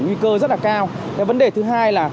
nguy cơ rất là cao cái vấn đề thứ hai là